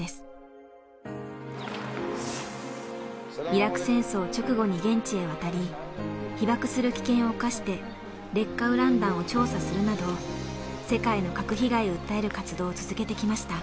イラク戦争直後に現地へ渡り被曝する危険を冒して劣化ウラン弾を調査するなど世界の核被害を訴える活動を続けてきました。